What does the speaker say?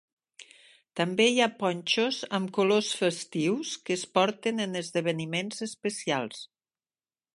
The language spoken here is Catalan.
També hi ha ponxos amb colors festius que es porten en esdeveniments especials.